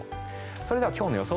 それでは今日の予想